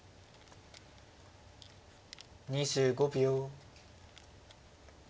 ２５秒。